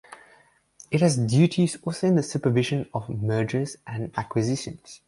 It has duties also in the supervision of mergers and acquisitions.